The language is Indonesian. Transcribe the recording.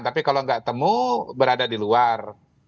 tapi kalau gak ketemu berada di luar